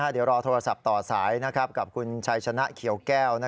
เดี๋ยวรอโทรศัพท์ต่อสายกับคุณชัยชนะเขียวแก้ว